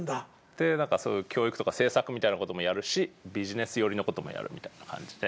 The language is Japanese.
でそういう教育とか政策みたいなこともやるしビジネス寄りのこともやるみたいな感じで。